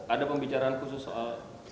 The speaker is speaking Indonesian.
ada pembicaraan khusus